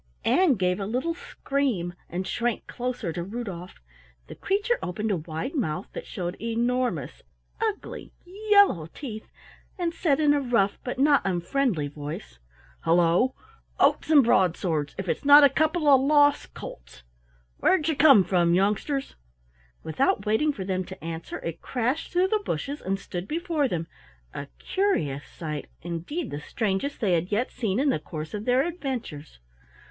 Ann gave a little scream and shrank closer to Rudolf. The creature opened a wide mouth that showed enormous, ugly, yellow teeth, and said in a rough but not unfriendly voice: "Hullo! Oats and Broadswords if it's not a couple of lost colts! Where'd you come from, youngsters?" Without waiting for them to answer, it crashed through the bushes and stood before them, a curious sight, indeed the strangest they had yet seen in the course of their adventures.